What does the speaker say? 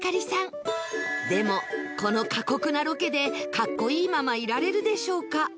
でもこの過酷なロケで格好いいままいられるでしょうか？